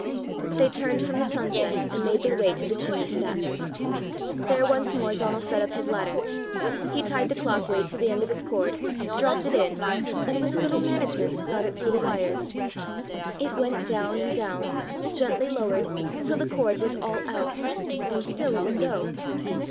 They turned from the sunset and made their way to the chimney stack. There once more Donal set up his ladder. He tied the clock weight to the end of his cord, dropped it in, and with a little management got it through the wires. It went down and down, gently lowered, till the cord was all out, and still it would go.